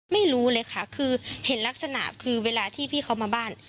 ไม่รู้เลยค่ะคือเห็นลักษณะคือเวลาที่พี่เขามาบ้าน